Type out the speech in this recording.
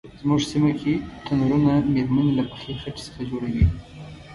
زمونږ سیمه کې تنرونه میرمنې له پخې خټې څخه جوړوي.